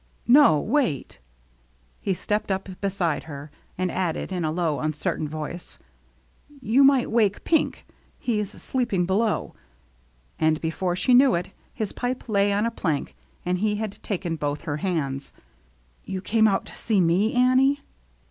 " No, wait." He stepped up beside her, and added, in a low, uncertain voice, " You might wake Pink; he's sleeping below." And before she knew it, his pipe lay on a plank and he had taken both her hands. " You came out to see me, Annie